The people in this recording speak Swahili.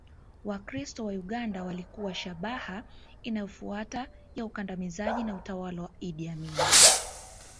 Wakristo wa Uganda walikuwa shabaha inayofuata ya ukandamizaji na utawala wa Idi Amin